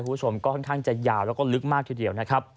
ก็ค่อนข้างจะยาวและและลึกเลยทีเดียว